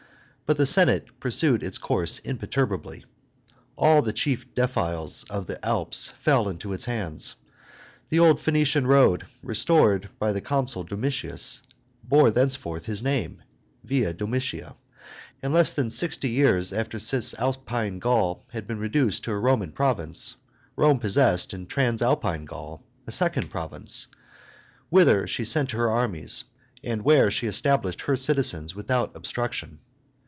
But the Senate pursued its course imperturbably. All the chief defiles of the Alps fell into its hands. The old Phoenician road, restored by the consul Domitius, bore thenceforth his name (Via Donaitia), and less than sixty years after Cisalpine Gaul had been reduced to a Roman province, Rome possessed, in Transalpine Gaul, a second province, whither she sent her armies, and where she established her citizens without obstruction.